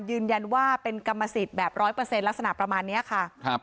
ยืนยันว่าเป็นกรรมสิทธิ์แบบ๑๐๐ลักษณะประมาณนี้ค่ะ